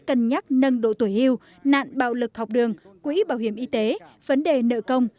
cân nhắc nâng độ tuổi hưu nạn bạo lực học đường quỹ bảo hiểm y tế vấn đề nợ công